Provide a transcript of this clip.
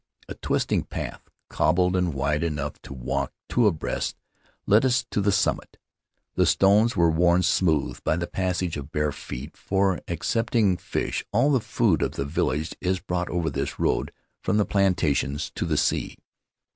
A twisting path, cobbled, and wide enough to walk two abreast, led us to the summit. The stones were worn smooth by the passage of bare feet, for, excepting fish, all the food of the village is brought over this road from the plantations to the sea.